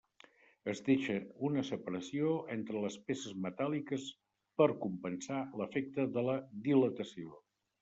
Es deixa una separació entre les peces metàl·liques per compensar l'efecte de la dilatació.